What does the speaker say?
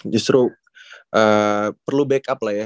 justru perlu backup lah ya